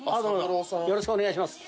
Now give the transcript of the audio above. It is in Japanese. よろしくお願いします。